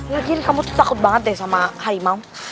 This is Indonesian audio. ya gini kamu tuh takut banget deh sama hari mau